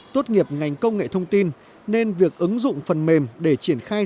tốt nghiệp ngành công nghệ thông tin nên việc ứng dụng phần mềm để triển khai